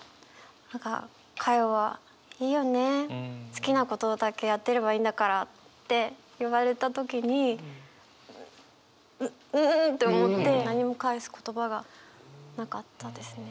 好きなことだけやってればいいんだから」って言われた時にうっんんって思って何も返す言葉がなかったですね。